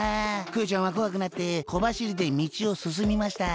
クヨちゃんはこわくなってこばしりでみちをすすみました。